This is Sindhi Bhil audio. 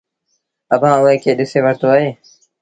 اڀآنٚ اُئي کي ڏسي وٺتو اهي۔